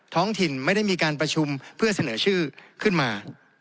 ท้องถิ่นไม่ได้มีการประชุมเพื่อเสนอชื่อขึ้นมา